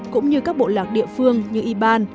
cũng như các bộ lạc địa phương như iban